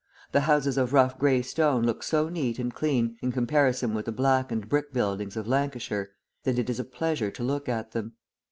The houses of rough grey stone look so neat and clean in comparison with the blackened brick buildings of Lancashire, that it is a pleasure to look at them.